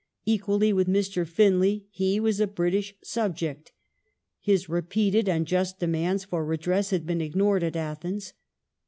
Equally with Mr. Finlay he was a British subject ; his repeated and just demands for redress had been ignored at Athens.